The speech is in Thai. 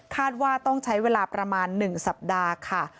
ว่าต้องใช้เวลาประมาณ๑สัปดาห์ค่ะ